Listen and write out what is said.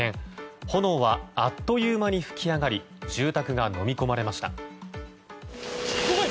炎はあっという間に噴き上がり住宅がのみ込まれました。